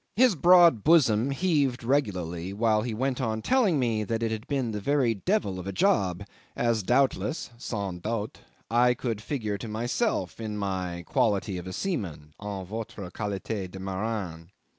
His broad bosom heaved regularly while he went on telling me that it had been the very devil of a job, as doubtless (sans doute) I could figure to myself in my quality of a seaman (en votre qualite de marin).